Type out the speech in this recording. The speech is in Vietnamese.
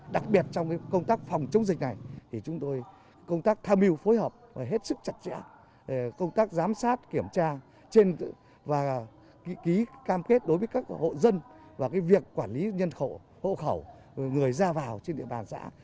đặc biệt trong công tác phòng chống dịch này chúng tôi tham hiu phối hợp hết sức chặt chẽ công tác giám sát kiểm tra ký cam kết đối với các hộ dân và việc quản lý nhân khẩu hộ khẩu người ra vào trên địa bàn xã